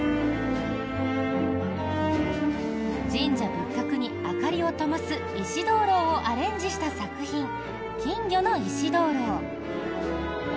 神社仏閣に明かりをともす石灯ろうをアレンジした作品金魚の石灯籠。